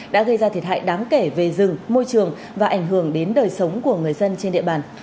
đã gây ra thiệt hại đáng kể về rừng môi trường và ảnh hưởng đến đời sống của người dân trên địa bàn